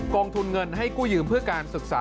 องทุนเงินให้กู้ยืมเพื่อการศึกษา